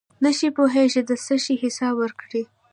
نشی پوهېږي د څه شي حساب ورکړي.